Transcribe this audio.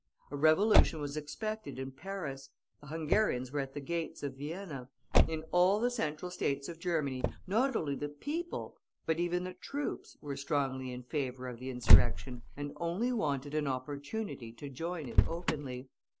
A revolution was expected in Paris; the Hungarians were at the gates of Vienna; in all the central States of Germany, not only the people, but even the troops, were strongly in favor of the insurrection, and only wanted an opportunity to join it openly.